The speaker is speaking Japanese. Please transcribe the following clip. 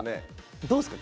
どうっすか？